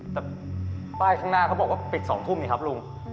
แต่ป้ายข้างหน้าเขาบอกว่าปิด๒ทุ่มนี่ครับลุง